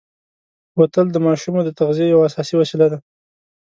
بوتل د ماشومو د تغذیې یوه اساسي وسیله ده.